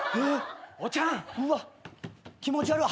うわっ気持ち悪っ。